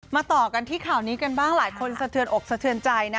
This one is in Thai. ต่อกันที่ข่าวนี้กันบ้างหลายคนสะเทือนอกสะเทือนใจนะ